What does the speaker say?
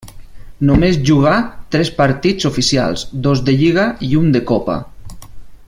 Només jugà tres partits oficials, dos de lliga i un de copa.